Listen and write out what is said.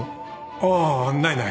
ああないない。